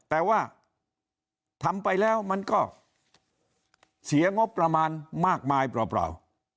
แต่ว่าทำไปแล้วมันก็เสียงบประมาณมากมายเปล่า